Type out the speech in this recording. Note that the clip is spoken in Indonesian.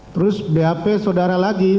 terus bap saudara lagi